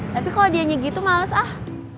tapi kalau dianya gitu males ah